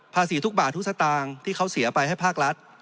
ทุกบาททุกสตางค์ที่เขาเสียไปให้ภาครัฐ